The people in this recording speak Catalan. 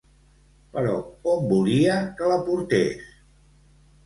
Però on volia que la portés?